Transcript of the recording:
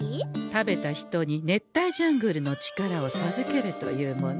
食べた人に熱帯ジャングルの力をさずけるというもの。